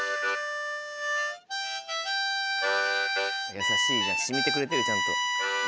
優しい染みてくれてるちゃんと。